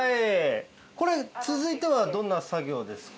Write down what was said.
これ続いてはどんな作業ですか？